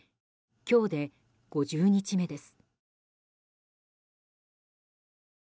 今日で５０日目です。